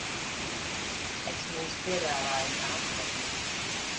Es mums piedāvāju nākotni.